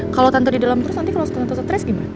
kalau tante di dalam terus nanti kalau tante stres gimana